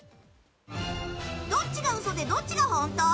どっちがウソでどっちがホント？